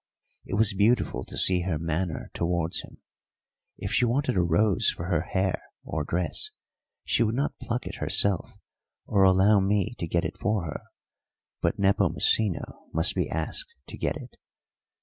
It was beautiful to see her manner towards him. If she wanted a rose for her hair or dress she would not pluck it herself or allow me to get it for her, but Nepomucino must be asked to get it.